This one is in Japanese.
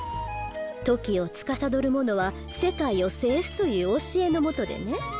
時をつかさどるものは世界を制すという教えの下でね。